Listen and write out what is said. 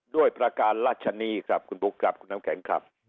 ด้วยประการราชนีครับคุณบุ๊คครับคุณน้ำแข็งครับ